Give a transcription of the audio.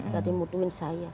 jadi muduin saya